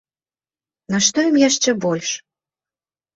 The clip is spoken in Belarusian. Нашто ім яшчэ больш?